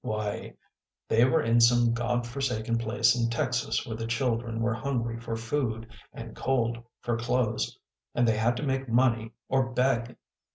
" Why, they were in some God forsaken place in Texas where the children were hungry for food and cold for clothes, and they had to make money or beg."